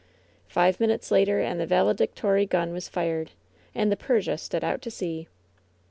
Five minutes later and the valedictory gun was fired, and the Persia stood out to sea.